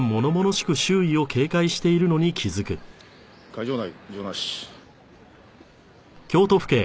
会場内異常なし。